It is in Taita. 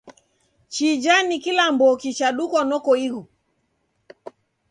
Chija ni kilamboki chadukwa noko ighu?